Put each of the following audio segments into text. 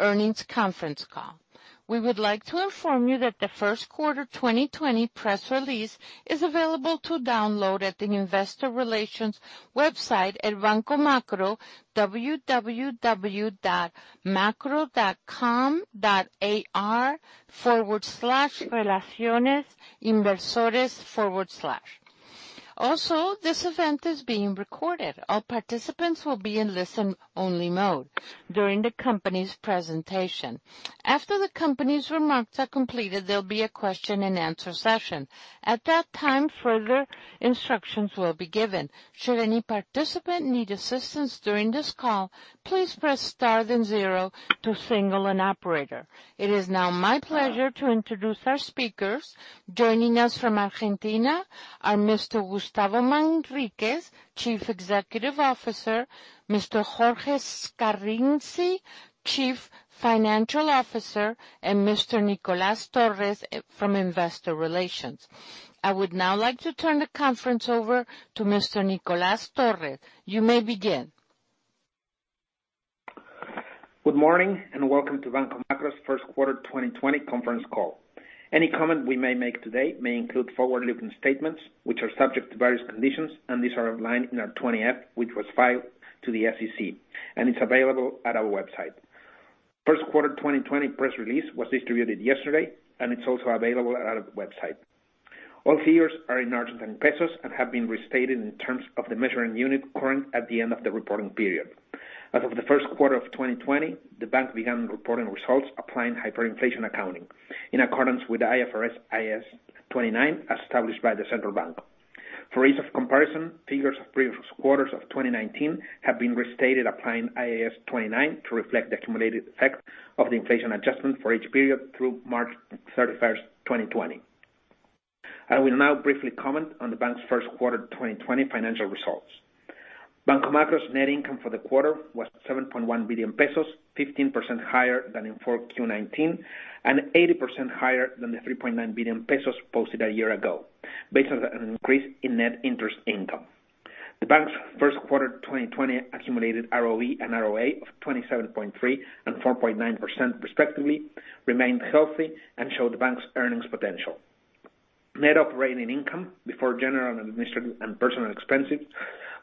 Earnings conference call. We would like to inform you that the first quarter 2020 press release is available to download at the investor relations website at Banco Macro, www.macro.com.ar/relaciones-inversores. This event is being recorded. All participants will be in listen-only mode during the company's presentation. After the company's remarks are completed, there'll be a question and answer session. At that time, further instructions will be given. Should any participant need assistance during this call, please press star then zero to signal an operator. It is now my pleasure to introduce our speakers. Joining us from Argentina are Mr. Gustavo Manriquez, Chief Executive Officer, Mr. Jorge Scarinci, Chief Financial Officer, and Mr. Nicolas Torres from Investor Relations. I would now like to turn the conference over to Mr. Nicolas Torres. You may begin. Good morning, welcome to Banco Macro's First Quarter 2020 Conference Call. Any comment we may make today may include forward-looking statements, which are subject to various conditions, and these are outlined in our 20-F, which was filed to the SEC, and it's available at our website. First quarter 2020 press release was distributed yesterday, and it's also available at our website. All figures are in Argentine pesos and have been restated in terms of the measuring unit current at the end of the reporting period. As of the first quarter of 2020, the bank began reporting results applying hyperinflation accounting in accordance with IFRS IAS 29, as established by the Central Bank. For ease of comparison, figures of previous quarters of 2019 have been restated applying IAS 29 to reflect the accumulated effect of the inflation adjustment for each period through March 31st, 2020. I will now briefly comment on the bank's first quarter 2020 financial results. Banco Macro's net income for the quarter was 7.1 billion pesos, 15% higher than in 4Q19, and 80% higher than the 3.9 billion pesos posted a year ago, based on an increase in net interest income. The bank's first quarter 2020 accumulated ROE and ROA of 27.3% and 4.9%, respectively, remained healthy and showed the bank's earnings potential. Net operating income before general and administrative and personal expenses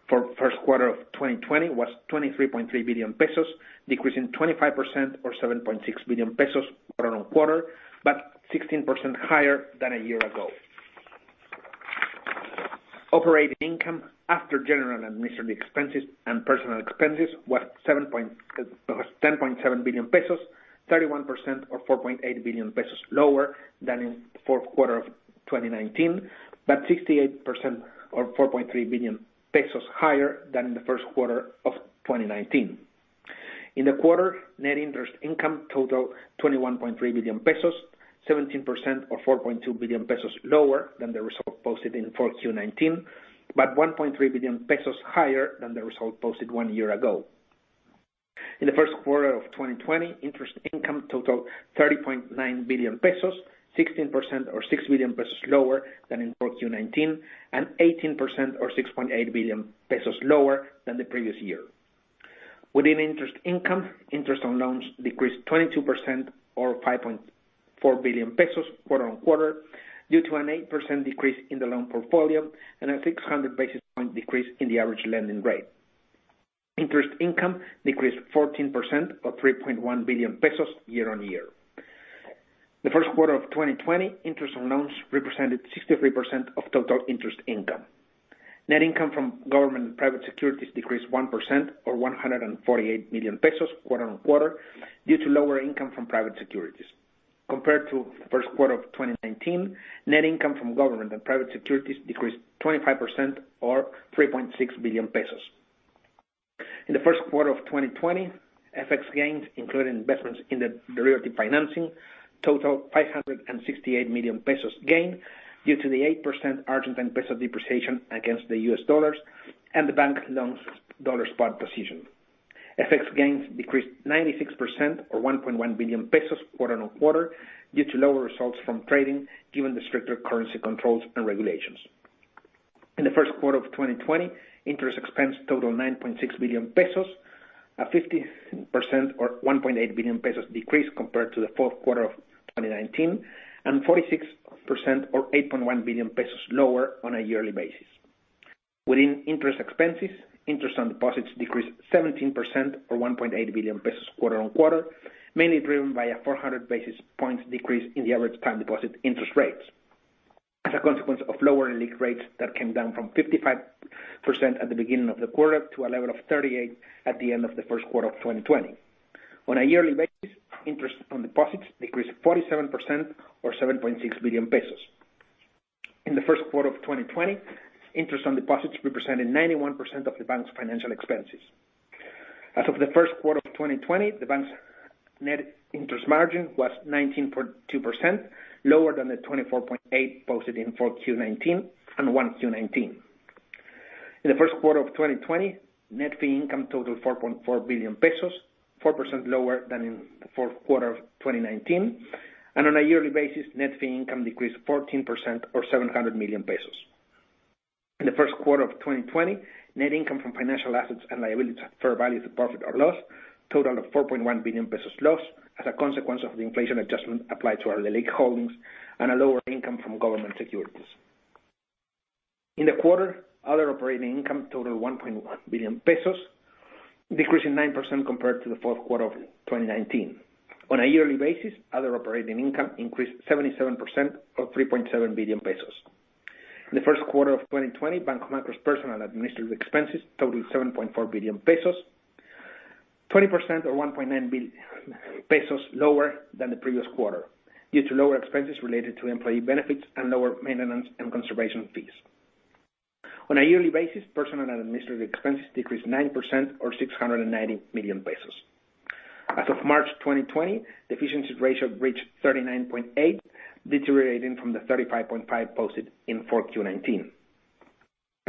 for first quarter of 2020 was 23.3 billion pesos, decreasing 25% or 7.6 billion pesos quarter-on-quarter, but 16% higher than a year ago. Operating income after general and administrative expenses and personal expenses was 10.7 billion pesos, 31% or 4.8 billion pesos lower than in the fourth quarter of 2019, but 68% or 4.3 billion pesos higher than in the first quarter of 2019. In the quarter, net interest income totaled 21.3 billion pesos, 17% or 4.2 billion pesos lower than the result posted in 4Q19, but 1.3 billion pesos higher than the result posted one year ago. In the first quarter of 2020, interest income totaled 30.9 billion pesos, 16% or 6 billion pesos lower than in 4Q19, and 18% or 6.8 billion pesos lower than the previous year. Within interest income, interest on loans decreased 22% or 5.4 billion pesos quarter-on-quarter due to an 8% decrease in the loan portfolio and a 600-basis point decrease in the average lending rate. Interest income decreased 14% or 3.1 billion pesos year-on-year. The first quarter of 2020, interest on loans represented 63% of total interest income. Net income from government and private securities decreased 1% or 148 million pesos quarter-on-quarter due to lower income from private securities. Compared to the first quarter of 2019, net income from government and private securities decreased 25% or 3.6 billion pesos. In the first quarter of 2020, FX gains including investments in the derivative financing totaled 568 million pesos gain due to the 8% Argentine peso depreciation against the U.S. dollars and the bank loans dollar spot position. FX gains decreased 96% or 1.1 billion pesos quarter-on-quarter due to lower results from trading given the stricter currency controls and regulations. In the first quarter of 2020, interest expense totaled 9.6 billion pesos, a 50% or 1.8 billion pesos decrease compared to the fourth quarter of 2019, and 46% or 8.1 billion pesos lower on a yearly basis. Within interest expenses, interest on deposits decreased 17% or 1.8 billion pesos quarter-over-quarter, mainly driven by a 400-basis points decrease in the average time deposit interest rates as a consequence of lower LELIQ rates that came down from 55% at the beginning of the quarter to a level of 38% at the end of the first quarter of 2020. On a year-over-year basis, interest on deposits decreased 47% or 7.6 billion pesos. In the first quarter of 2020, interest on deposits represented 91% of the bank's financial expenses. As of the first quarter of 2020, the bank's net interest margin was 19.2%, lower than the 24.8% posted in 4Q19 and 1Q19. In the first quarter of 2020, net fee income totaled 4.4 billion pesos, 4% lower than in the fourth quarter of 2019. On a yearly basis, net fee income decreased 14% or 700 million pesos. In the first quarter of 2020, net income from financial assets and liabilities fair value through profit or loss totaled 4.1 billion pesos loss as a consequence of the inflation adjustment applied to our LELIQ holdings and a lower income from government securities. In the quarter, other operating income totaled 1.1 billion pesos, decreasing 9% compared to the fourth quarter of 2019. On a yearly basis, other operating income increased 77%, or 3.7 billion pesos. In the first quarter of 2020, Banco Macro's personal administrative expenses totaled 7.4 billion pesos, 20%, or 1.9 billion pesos lower than the previous quarter due to lower expenses related to employee benefits and lower maintenance and conservation fees. On a yearly basis, personal administrative expenses decreased 9%, or 690 million pesos. As of March 2020, efficiency ratio reached 39.8%, deteriorating from the 35.5% posted in fourth Q19. In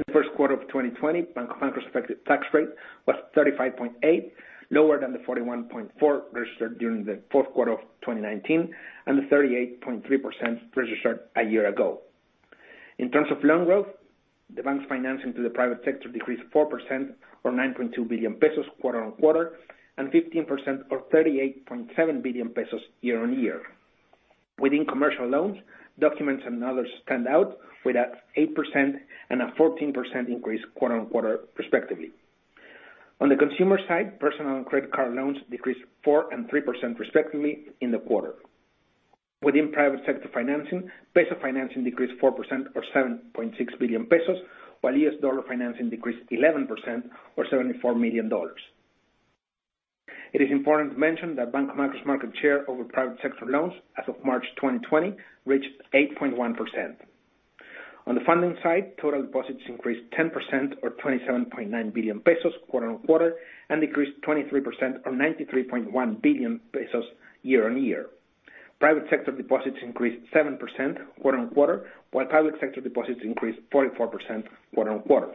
the first quarter of 2020, Banco Macro's effective tax rate was 35.8%, lower than the 41.4% registered during the fourth quarter of 2019 and the 38.3% registered a year ago. In terms of loan growth, the bank's financing to the private sector decreased 4%, or 9.2 billion pesos quarter-on-quarter, and 15%, or 38.7 billion pesos year-on-year. Within commercial loans, documents and others stand out with an 8% and a 14% increase quarter-on-quarter respectively. On the consumer side, personal and credit card loans decreased 4% and 3% respectively in the quarter. Within private sector financing, peso financing decreased 4%, or 7.6 billion pesos, while U.S. dollar financing decreased 11%, or $74 million. It is important to mention that Banco Macro's market share over private sector loans as of March 2020 reached 8.1%. On the funding side, total deposits increased 10%, or 27.9 billion pesos quarter-on-quarter, and increased 23%, or 93.1 billion pesos year-on-year. Private sector deposits increased 7% quarter-on-quarter, while public sector deposits increased 44% quarter-on-quarter.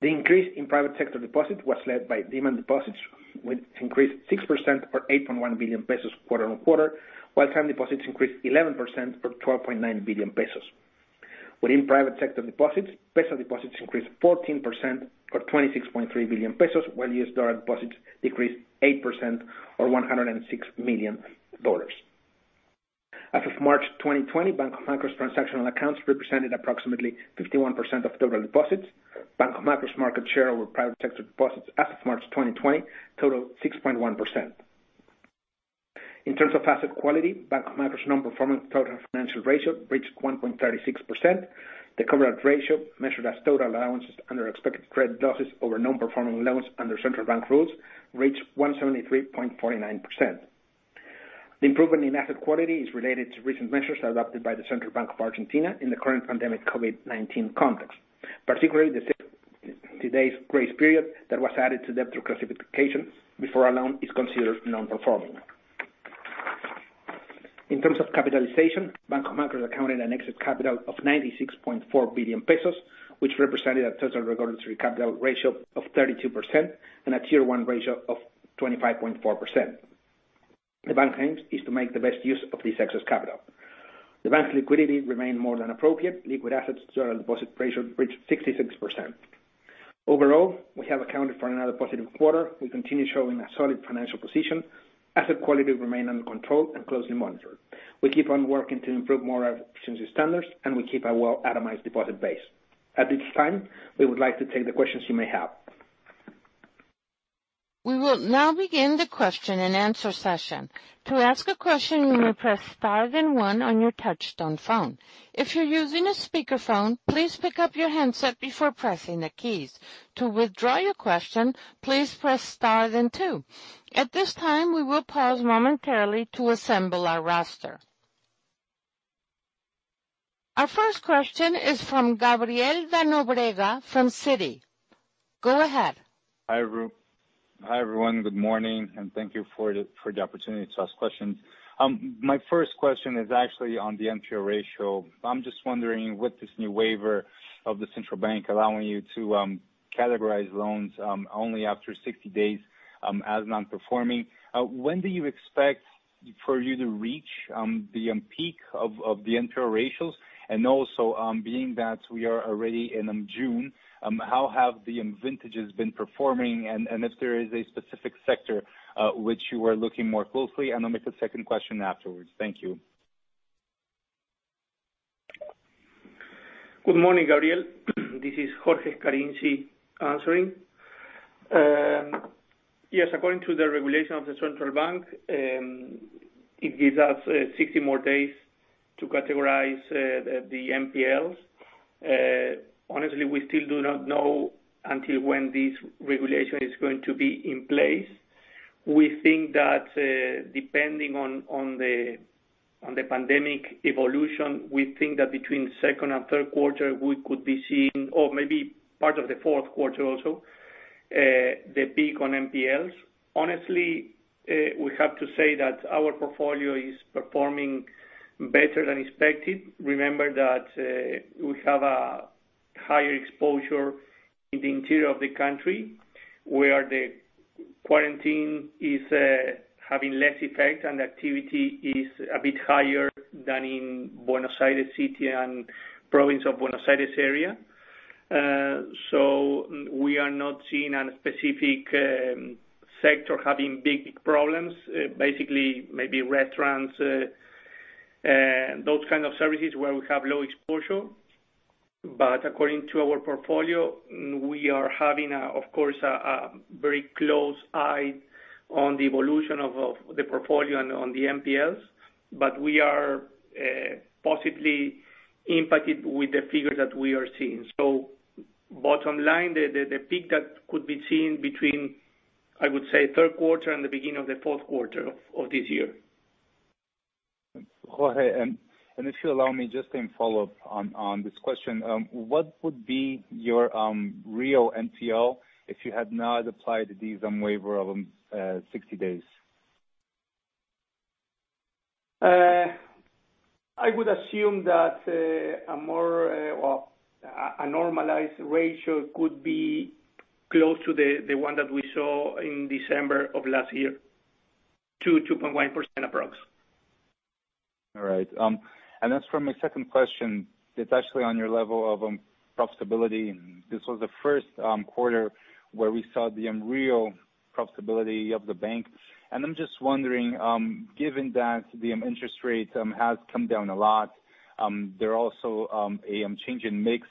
The increase in private sector deposits was led by demand deposits, which increased 6%, or 8.1 billion pesos quarter-on-quarter, while time deposits increased 11%, or 12.9 billion pesos. Within private sector deposits, peso deposits increased 14%, or 26.3 billion pesos, while U.S. dollar deposits decreased 8%, or $106 million. As of March 2020, Banco Macro's transactional accounts represented approximately 51% of total deposits. Banco Macro's market share over private sector deposits as of March 2020 totaled 6.1%. In terms of asset quality, Banco Macro's non-performing total financial ratio reached 1.36%. The coverage ratio, measured as total allowances under expected credit losses over non-performing loans under Central Bank rules, reached 173.49%. The improvement in asset quality is related to recent measures adopted by the Central Bank of Argentina in the current pandemic COVID-19 context, particularly the days grace period that was added to the classification before a loan is considered non-performing. In terms of capitalization, Banco Macro accounted an excess capital of 96.4 billion pesos, which represented a total regulatory capital ratio of 32% and a Tier 1 ratio of 25.4%. The bank aims is to make the best use of this excess capital. The bank's liquidity remained more than appropriate. Liquid assets to total deposit ratio reached 66%. Overall, we have accounted for another positive quarter. We continue showing a solid financial position. Asset quality remain under control and closely monitored. We keep on working to improve more efficiency standards, and we keep a well-itemized deposit base. At this time, we would like to take the questions you may have. We will now begin the question and answer session. To ask a question, you may press star then one on your touch-tone phone. If you're using a speakerphone, please pick up your handset before pressing the keys. To withdraw your question, please press star then two. At this time, we will pause momentarily to assemble our roster. Our first question is from Gabriel da Nóbrega from Citi. Go ahead. Hi, everyone. Good morning, and thank you for the opportunity to ask questions. My first question is actually on the NPL ratio. I'm just wondering, with this new waiver of the Central Bank allowing you to categorize loans only after 60 days as non-performing, when do you expect for you to reach the peak of the NPL ratios? Also, being that we are already in June, how have the vintages been performing, and if there is a specific sector which you are looking more closely? I'll make the second question afterwards. Thank you. Good morning, Gabriel. This is Jorge Scarinci answering. According to the regulation of the Central Bank, it gives us 60 more days to categorize the NPLs. We still do not know until when this regulation is going to be in place. We think that, depending on the pandemic evolution, we think that between second and third quarter, we could be seeing, or maybe part of the fourth quarter also, the peak on NPLs. We have to say that our portfolio is performing better than expected. Remember that we have a higher exposure In the interior of the country, where the quarantine is having less effect and activity is a bit higher than in Buenos Aires City and Province of Buenos Aires area. We are not seeing any specific sector having big problems. Basically, maybe restaurants, those kind of services where we have low exposure. According to our portfolio, we are having, of course, a very close eye on the evolution of the portfolio and on the NPLs. We are positively impacted with the figures that we are seeing. Bottom line, the peak that could be seen between, I would say, third quarter and the beginning of the fourth quarter of this year. Jorge, if you allow me just to follow up on this question, what would be your real NPL if you had not applied the waiver of 60 days? I would assume that a more normalized ratio could be close to the one that we saw in December of last year, 2%, 2.1% approx. All right. As for my second question, it's actually on your level of profitability. This was the first quarter where we saw the unreal profitability of the bank. I'm just wondering, given that the interest rate has come down a lot, there also a change in mix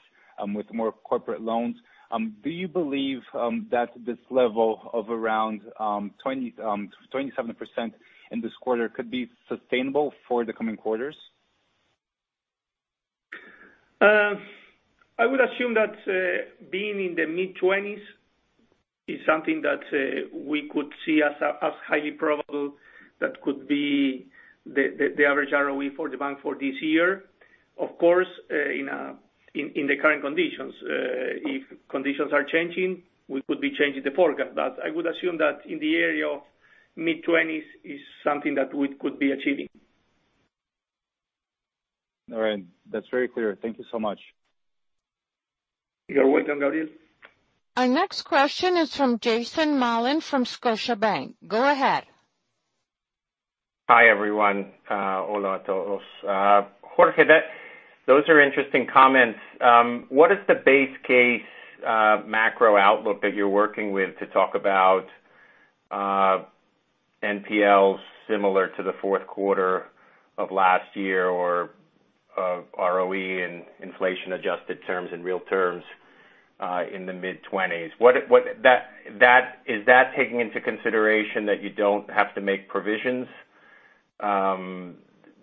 with more corporate loans. Do you believe that this level of around 27% in this quarter could be sustainable for the coming quarters? I would assume that being in the mid-20s is something that we could see as highly probable, that could be the average ROE for the bank for this year. Of course, in the current conditions. If conditions are changing, we could be changing the forecast. But I would assume that in the area of mid-20s is something that we could be achieving. All right. That's very clear. Thank you so much. You're welcome, Gabriel. Our next question is from Jason Mollin from Scotiabank. Go ahead. Hi, everyone. Jorge, those are interesting comments. What is the base case macro outlook that you're working with to talk about NPLs similar to the fourth quarter of last year or of ROE in inflation-adjusted terms, in real terms, in the mid-20s? Is that taking into consideration that you don't have to make provisions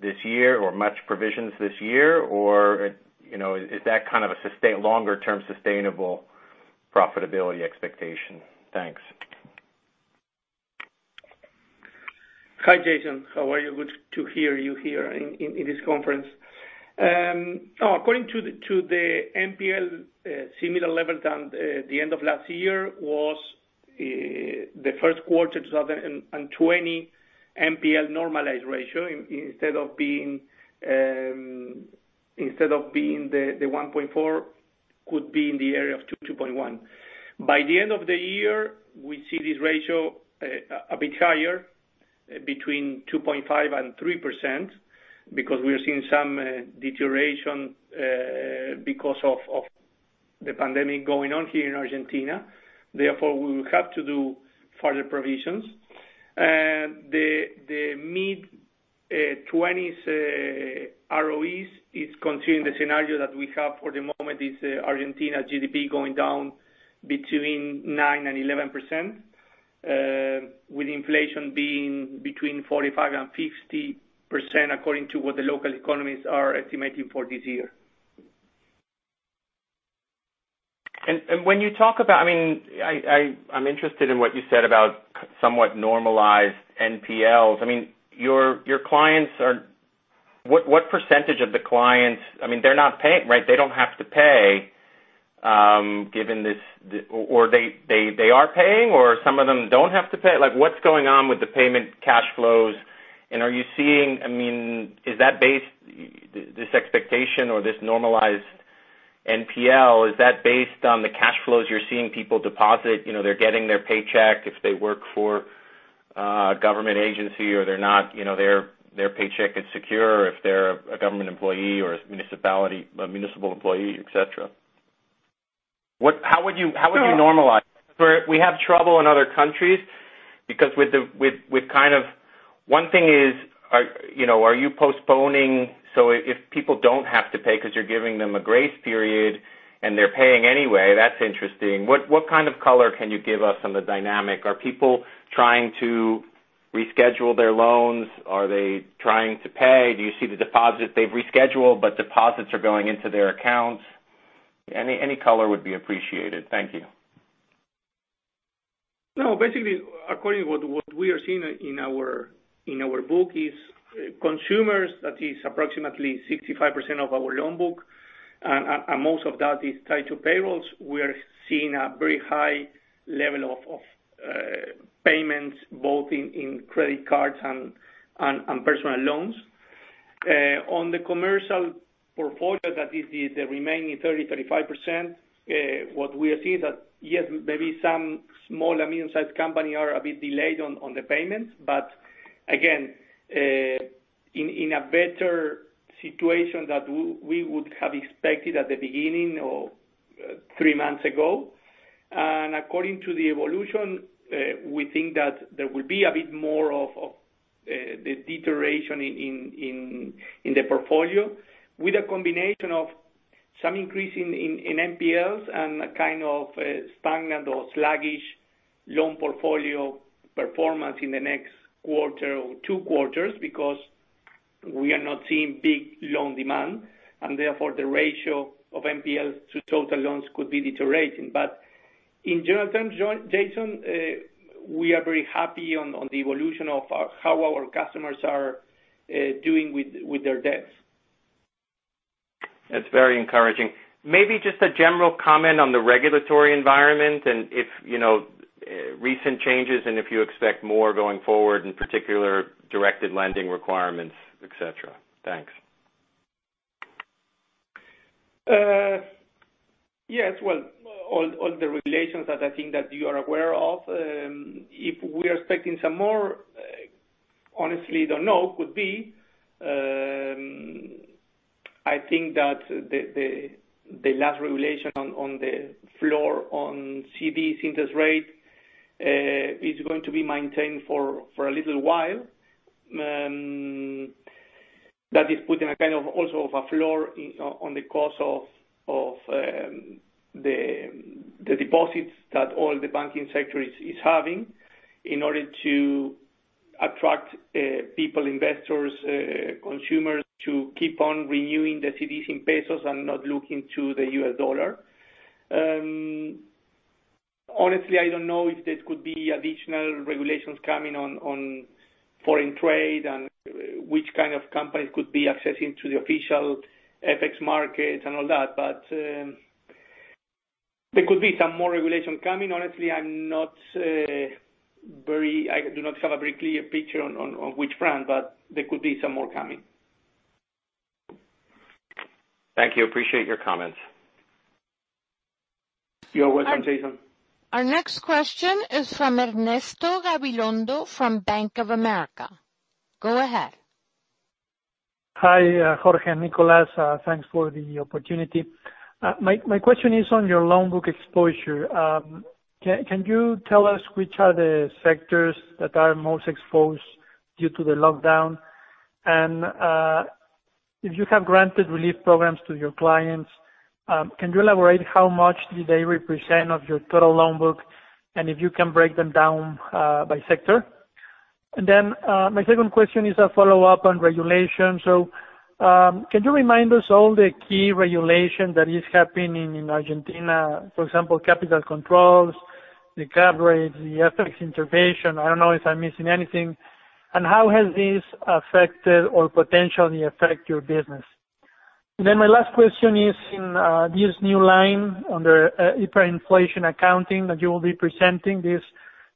this year or much provisions this year? Is that kind of a longer-term sustainable profitability expectation? Thanks. Hi, Jason. How are you? Good to hear you here in this conference. According to the NPL similar levels than the end of last year was the first quarter 2020 NPL normalized ratio, instead of being the 1.4%, could be in the area of 2.1%. By the end of the year, we see this ratio a bit higher, between 2.5% and 3%, because we are seeing some deterioration because of the pandemic going on here in Argentina. Therefore, we will have to do further provisions. The mid-20s ROEs is continuing the scenario that we have for the moment, is Argentina GDP going down between 9% and 11%, with inflation being between 45% and 50%, according to what the local economists are estimating for this year. When you talk about, I'm interested in what you said about somewhat normalized NPLs. Your clients, what percentage of the clients, they're not paying, right? They don't have to pay, given this, or they are paying, or some of them don't have to pay? What's going on with the payment cash flows? Are you seeing, is this expectation or this normalized NPL, is that based on the cash flows you're seeing people deposit, they're getting their paycheck if they work for a government agency or they're not, their paycheck is secure if they're a government employee or a municipal employee, et cetera? How would you normalize that? We have trouble in other countries because with kind of, one thing is, are you postponing? If people don't have to pay because you're giving them a grace period and they're paying anyway, that's interesting. What kind of color can you give us on the dynamic? Are people trying to reschedule their loans? Are they trying to pay? Do you see the deposit they've rescheduled, but deposits are going into their accounts? Any color would be appreciated. Thank you. Basically, according to what we are seeing in our book is consumers, that is approximately 65% of our loan book. Most of that is tied to payrolls. We are seeing a very high level of payments, both in credit cards and personal loans. On the commercial portfolio, that is the remaining 30%-35%, what we are seeing that, yes, maybe some small and medium-sized company are a bit delayed on the payments. Again, in a better situation that we would have expected at the beginning or three months ago. According to the evolution, we think that there will be a bit more of the deterioration in the portfolio with a combination of some increase in NPLs and a kind of stagnant or sluggish loan portfolio performance in the next quarter or two quarters because we are not seeing big loan demand, and therefore the ratio of NPLs to total loans could be deteriorating. In general terms, Jason, we are very happy on the evolution of how our customers are doing with their debts. That's very encouraging. Maybe just a general comment on the regulatory environment and if recent changes, and if you expect more going forward, in particular, directed lending requirements, et cetera. Thanks. Yes. Well, all the regulations that I think that you are aware of, if we are expecting some more, honestly, don't know. Could be. I think that the last regulation on the floor on CD interest rate, is going to be maintained for a little while. That is putting a kind of, also of a floor on the cost of the deposits that all the banking sector is having in order to attract people, investors, consumers, to keep on renewing the CDs in pesos and not looking to the US dollar. Honestly, I don't know if there could be additional regulations coming on foreign trade and which kind of companies could be accessing to the official FX markets and all that. There could be some more regulation coming. Honestly, I do not have a very clear picture on which front, but there could be some more coming. Thank you. Appreciate your comments. You are welcome, Jason. Our next question is from Ernesto Gabilondo from Bank of America. Go ahead. Hi, Jorge and Nicolas. Thanks for the opportunity. My question is on your loan book exposure. Can you tell us which are the sectors that are most exposed due to the lockdown? If you have granted relief programs to your clients, can you elaborate how much do they represent of your total loan book, and if you can break them down by sector? My second question is a follow-up on regulation. Can you remind us all the key regulation that is happening in Argentina? For example, capital controls, the coverage, the FX intervention. I don't know if I'm missing anything. How has this affected or potentially affect your business? My last question is in this new line under hyperinflation accounting that you will be presenting this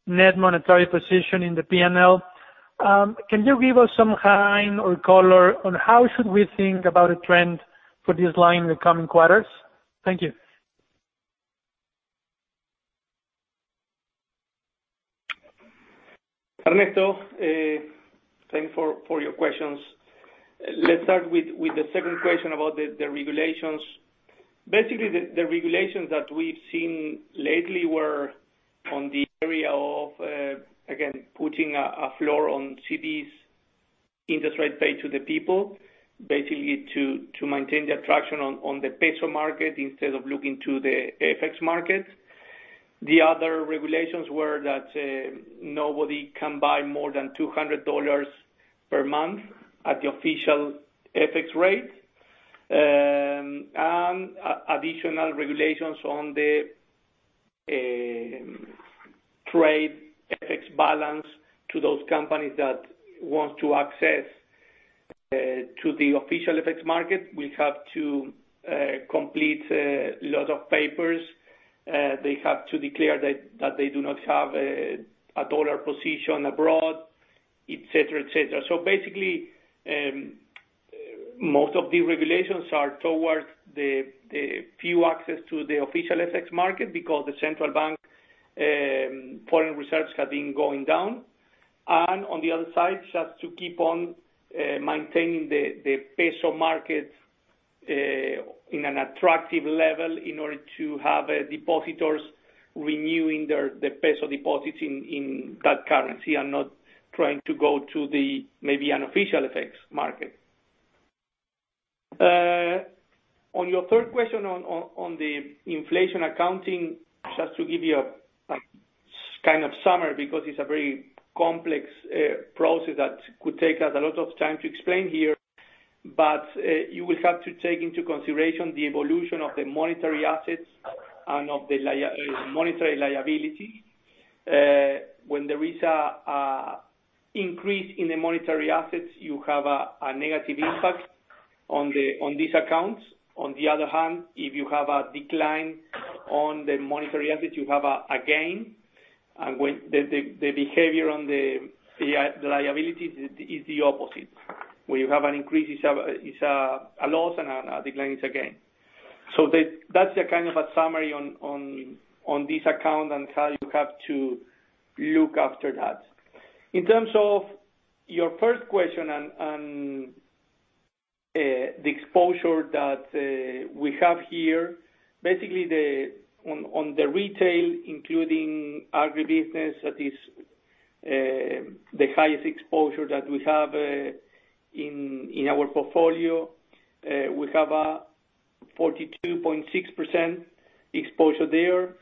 net monetary position in the P&L. Can you give us some kind or color on how should we think about a trend for this line in the coming quarters? Thank you. Ernesto, thanks for your questions. Let's start with the second question about the regulations. Basically, the regulations that we've seen lately were on the area of, again, putting a floor on CDs interest rate paid to the people, basically to maintain the attraction on the peso market instead of looking to the FX market. The other regulations were that nobody can buy more than $200 per month at the official FX rate. Additional regulations on the trade FX balance to those companies that want to access to the official FX market will have to complete loads of papers. They have to declare that they do not have a U.S. dollar position abroad, et cetera. Basically, most of the regulations are towards the few access to the official FX market because the Central Bank foreign reserves have been going down. On the other side, just to keep on maintaining the peso market in an attractive level in order to have depositors renewing the peso deposits in that currency and not trying to go to the maybe unofficial FX market. On your third question on the inflation accounting, just to give you a kind of summary because it's a very complex process that could take us a lot of time to explain here. You will have to take into consideration the evolution of the monetary assets and of the monetary liability. When there is an increase in the monetary assets, you have a negative impact on these accounts. On the other hand, if you have a decline on the monetary asset, you have a gain. The behavior on the liabilities is the opposite. Where you have an increase, it's a loss, and a decline is a gain. That's a kind of a summary on this account and how you have to look after that. In terms of your first question on the exposure that we have here, basically on the retail, including agribusiness, that is the highest exposure that we have in our portfolio. We have a 42.6% exposure there.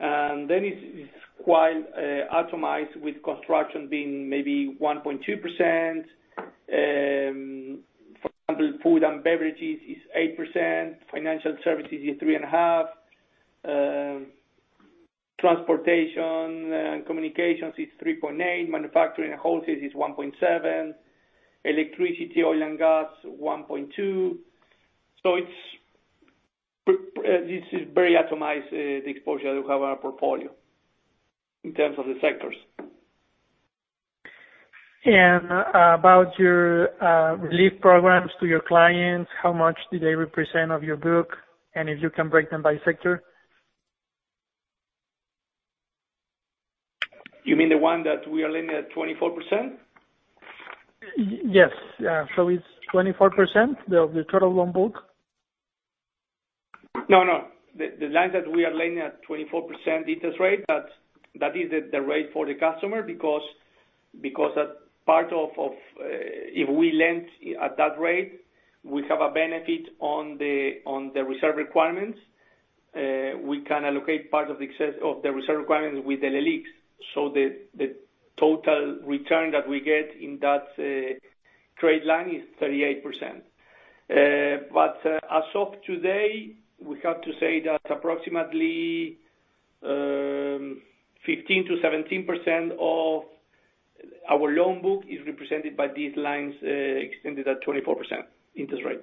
Then it is quite atomized, with construction being maybe 1.2%. For example, food and beverages is 8%, financial services is 3.5%. Transportation and communications is 3.8%, manufacturing and wholesale is 1.7%, electricity, oil, and gas, 1.2%. This is very atomized, the exposure we have in our portfolio in terms of the sectors. About your relief programs to your clients, how much do they represent of your book? If you can break them by sector. You mean the one that we are lending at 24%? Yes. It's 24% of the total loan book? No, no, the lines that we are lending at 24% interest rate, that is the rate for the customer because that part of if we lend at that rate, we have a benefit on the reserve requirements. We can allocate part of the reserve requirements with the LELIQs. The total return that we get in that trade line is 38%. As of today, we have to say that approximately, 15%-17% of our loan book is represented by these lines extended at 24% interest rate.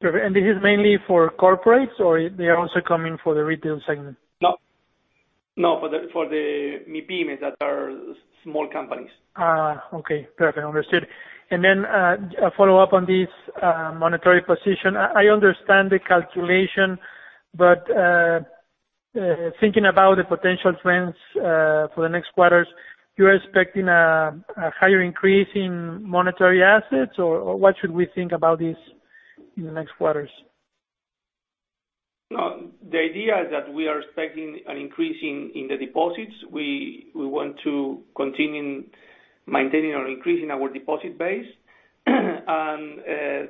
Perfect. This is mainly for corporates, or they are also coming for the retail segment? No. For the MiPyMEs, that are small companies. Okay. Perfect, understood. A follow-up on this monetary position. I understand the calculation, but thinking about the potential trends for the next quarters, you're expecting a higher increase in monetary assets, or what should we think about this in the next quarters? The idea is that we are expecting an increase in the deposits. We want to continue maintaining or increasing our deposit base.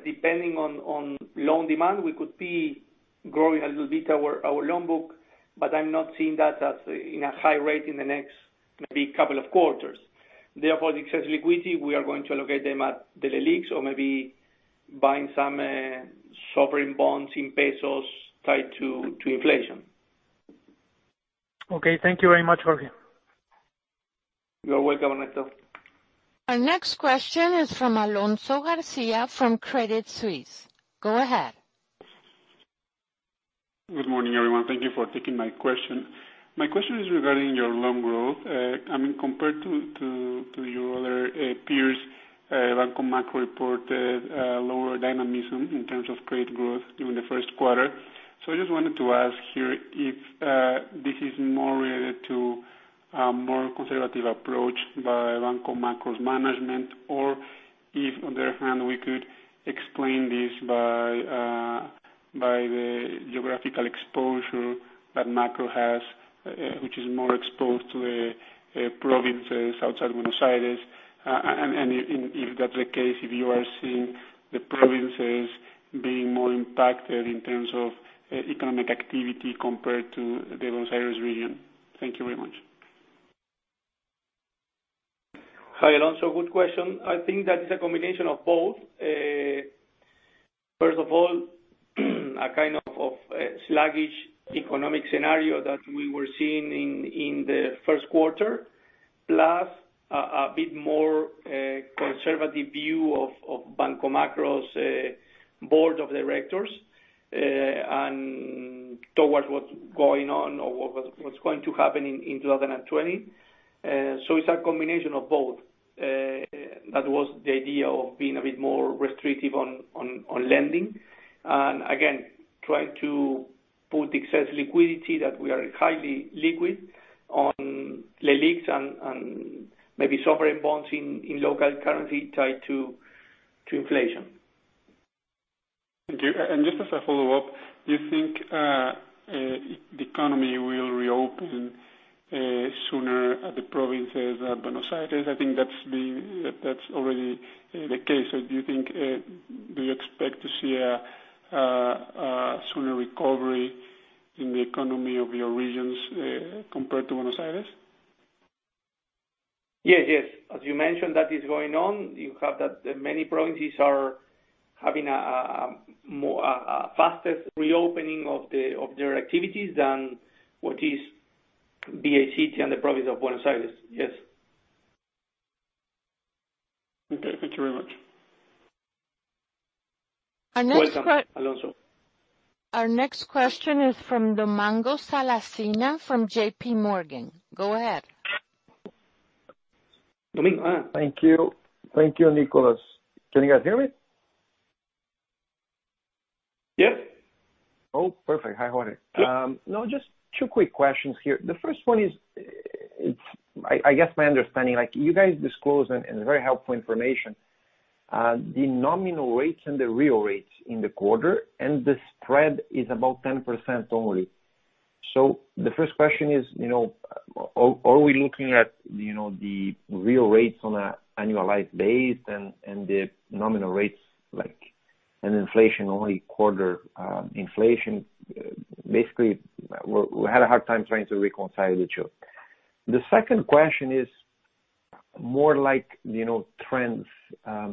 Depending on loan demand, we could be growing a little bit our loan book, but I'm not seeing that as in a high rate in the next maybe couple of quarters. The excess liquidity, we are going to allocate them at the LELIQs or maybe buying some sovereign bonds in pesos tied to inflation. Okay. Thank you very much, Jorge. You're welcome, Ernesto. Our next question is from Alonso García from Credit Suisse. Go ahead. Good morning, everyone. Thank you for taking my question. My question is regarding your loan growth. I mean, compared to your other peers, Banco Macro reported lower dynamism in terms of credit growth during the first quarter. I just wanted to ask here if this is more related to a more conservative approach by Banco Macro's management or if, on the other hand, we could explain this by the geographical exposure that Macro has, which is more exposed to the provinces outside Buenos Aires, and if that's the case, if you are seeing the provinces being more impacted in terms of economic activity compared to the Buenos Aires region. Thank you very much. Hi, Alonso. Good question. I think that is a combination of both. First of all, a kind of sluggish economic scenario that we were seeing in the first quarter, plus a bit more conservative view of Banco Macro's board of directors towards what's going on or what's going to happen in 2020. It's a combination of both. That was the idea of being a bit more restrictive on lending. Again, trying to put excess liquidity, that we are highly liquid, on LELIQs and maybe sovereign bonds in local currency tied to inflation. Thank you. Just as a follow-up, do you think the economy will reopen sooner at the provinces than Buenos Aires? I think that's already the case. Do you expect to see a sooner recovery in the economy of your regions, compared to Buenos Aires? Yes. As you mentioned, that is going on. You have that many provinces are having a fastest reopening of their activities than what is B.A. City and the province of Buenos Aires. Yes. Okay, thank you very much. Welcome, Alonso. Our next question is from Domingos Falavina from JPMorgan. Go ahead. Domingo. Thank you, Nicolas. Can you guys hear me? Yes. Oh, perfect. Hi, Jorge. Yes. No, just two quick questions here. The first one is, I guess my understanding, you guys disclose, and it's very helpful information, the nominal rates and the real rates in the quarter, and the spread is about 10% only. The first question is, are we looking at the real rates on an annualized base and the nominal rates, like an inflation only quarter inflation? Basically, we had a hard time trying to reconcile the two. The second question is more like, trends,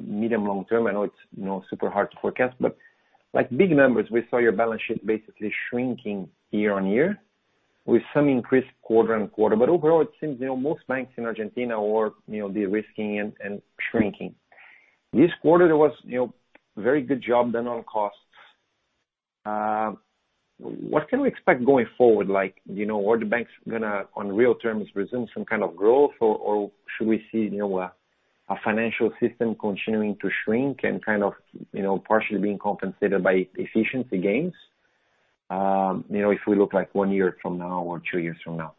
medium, long term. I know it's super hard to forecast, but like big numbers, we saw your balance sheet basically shrinking year-on-year with some increased quarter-on-quarter. Overall, it seems, most banks in Argentina are de-risking and shrinking. This quarter, there was very good job done on costs. What can we expect going forward? Like, are the banks gonna, on real terms, resume some kind of growth or should we see a financial system continuing to shrink and kind of, partially being compensated by efficiency gains, if we look like one year from now or two years from now?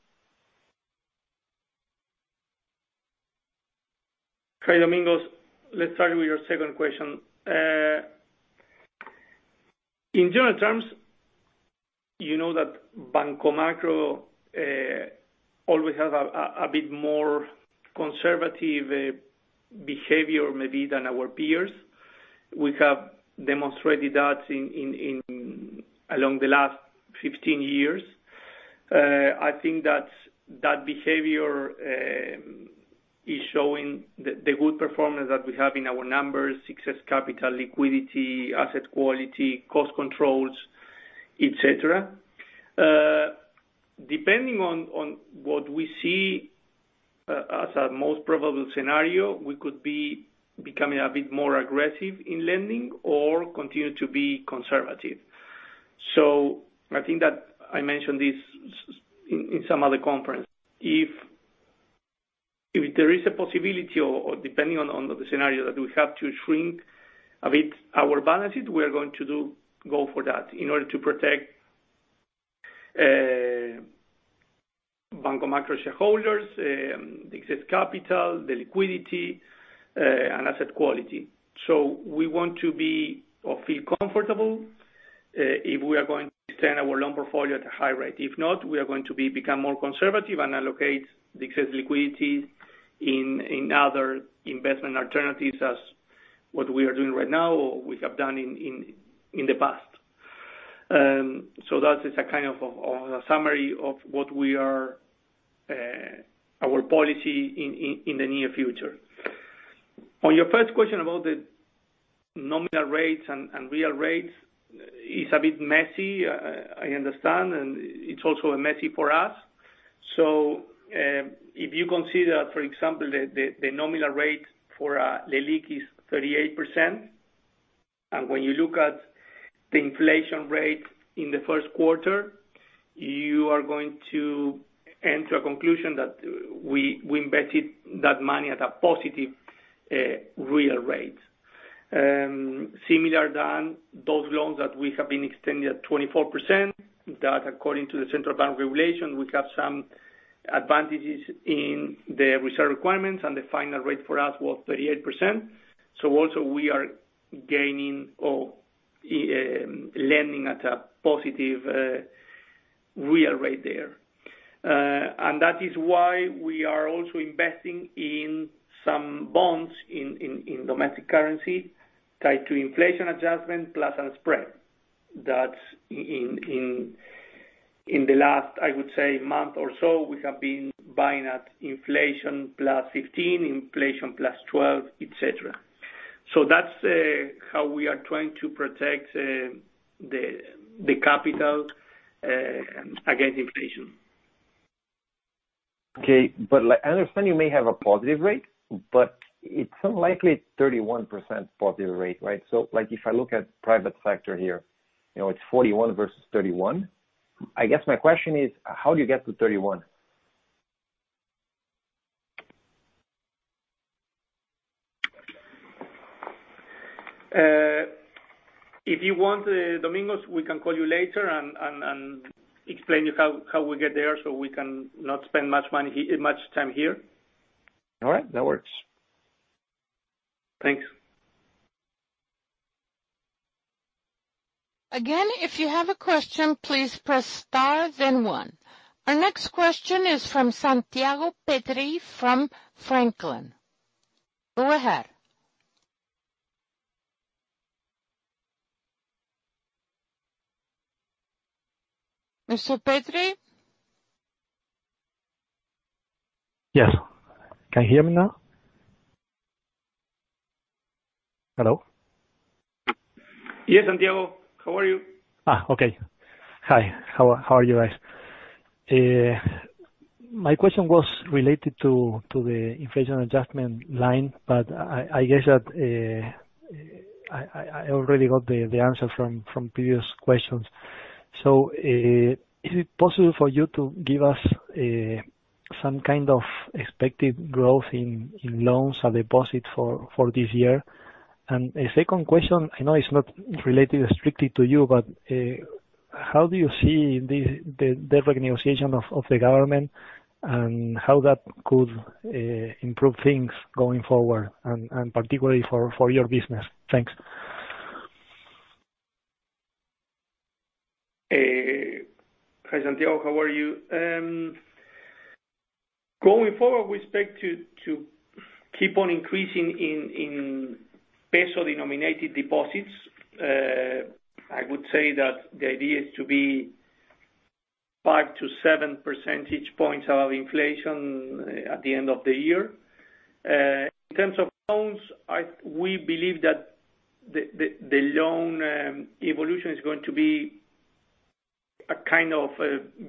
Hi, Domingos. Let's start with your second question. In general terms, you know that Banco Macro always have a bit more conservative behavior maybe than our peers. We have demonstrated that along the last 15 years. I think that that behavior is showing the good performance that we have in our numbers, excess capital, liquidity, asset quality, cost controls, et cetera. Depending on what we see as our most probable scenario, we could be becoming a bit more aggressive in lending or continue to be conservative. I think that I mentioned this in some other conference. If there is a possibility or depending on the scenario that we have to shrink a bit our balances, we are going to go for that in order to protect Banco Macro shareholders, the excess capital, the liquidity, and asset quality. We want to be or feel comfortable, if we are going to extend our loan portfolio at a high rate. If not, we are going to become more conservative and allocate the excess liquidity in other investment alternatives as what we are doing right now or we have done in the past. That is a kind of a summary of what our policy in the near future. On your first question about the nominal rates and real rates is a bit messy, I understand, and it's also messy for us. If you consider, for example, the nominal rate for LELIQ is 38%, and when you look at the inflation rate in the first quarter, you are going to enter a conclusion that we invested that money at a positive real rate. Similar than those loans that we have been extending at 24%, that according to the Central Bank regulation, we have some advantages in the reserve requirements. The final rate for us was 38%. Also we are gaining or lending at a positive real rate there. That is why we are also investing in some bonds in domestic currency tied to inflation adjustment plus a spread. That in the last, I would say, month or so, we have been buying at inflation +15%, inflation +12%, et cetera. That's how we are trying to protect the capital against inflation. Okay. I understand you may have a positive rate, but it's unlikely 31% positive rate, right? Like if I look at private sector here, it's 41% versus 31%. I guess my question is, how do you get to 31%? If you want, Domingos, we can call you later and explain to you how we get there so we can not spend much time here. All right. That works. Thanks. Again, if you have a question, please press star then one. Our next question is from Santiago Petri from Franklin. Go ahead. Mr. Petri? Yes. Can you hear me now? Hello? Yes, Santiago. How are you? Okay. Hi, how are you guys? My question was related to the inflation adjustment line, but I guess that I already got the answer from previous questions. Is it possible for you to give us some kind of expected growth in loans and deposits for this year? A second question, I know it's not related strictly to you, but how do you see the debt renegotiation of the government, and how that could improve things going forward, and particularly for your business? Thanks. Hi, Santiago, how are you? Going forward, we expect to keep on increasing in peso-denominated deposits. I would say that the idea is to be 5 to 7 percentage points above inflation at the end of the year. In terms of loans, we believe that the loan evolution is going to be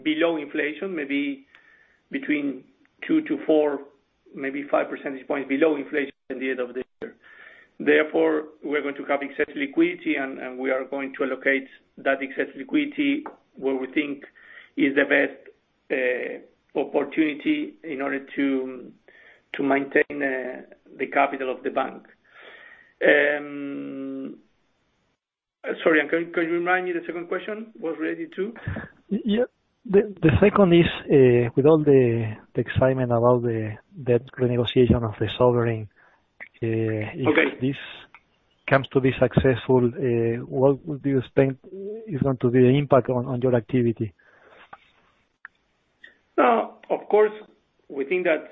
below inflation, maybe between 2 to 4, maybe 5 percentage points below inflation at the end of this year. We're going to have excess liquidity, and we are going to allocate that excess liquidity where we think is the best opportunity in order to maintain the capital of the bank. Sorry, can you remind me the second question? Was there two? Yeah. The second is, with all the excitement about the debt renegotiation of the sovereign. Okay If this comes to be successful, what would you expect is going to be the impact on your activity? Of course, we think that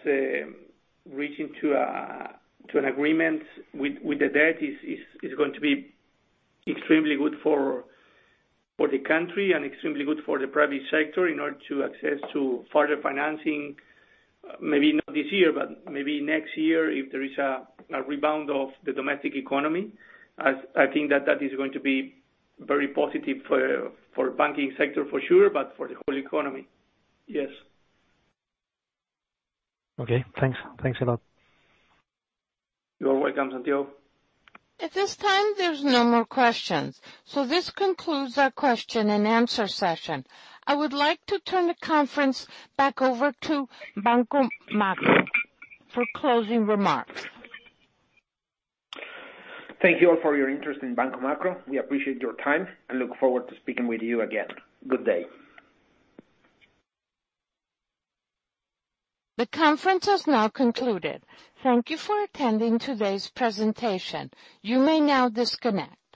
reaching to an agreement with the debt is going to be extremely good for the country and extremely good for the private sector in order to access to further financing, maybe not this year, but maybe next year, if there is a rebound of the domestic economy. I think that that is going to be very positive for banking sector for sure, but for the whole economy. Yes. Okay. Thanks. Thanks a lot. You are welcome, Santiago. At this time, there's no more questions. This concludes our question and answer session. I would like to turn the conference back over to Banco Macro for closing remarks. Thank you all for your interest in Banco Macro. We appreciate your time and look forward to speaking with you again. Good day. The conference has now concluded. Thank you for attending today's presentation. You may now disconnect.